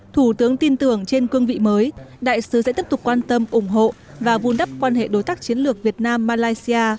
thủ tướng tin tưởng trên cương vị mới đại sứ sẽ tiếp tục quan tâm ủng hộ và vun đắp quan hệ đối tác chiến lược việt nam malaysia